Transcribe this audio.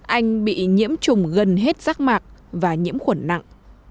anh bị nhiễm trùng gần hết rác mạc và nhiễm khuẩn nặng